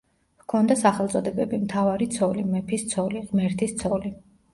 ჰქონდა სახელწოდებები: „მთავარი ცოლი“, „მეფის ცოლი“, „ღმერთის ცოლი“.